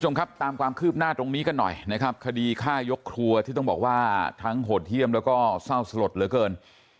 คุณผู้ชมครับตามความคืบหน้าตรงนี้กันหน่อยนะครับคดีฆ่ายกครัวที่ต้องบอกว่าทั้งโหดเยี่ยมแล้วก็เศร้าสลดเหลือเกิน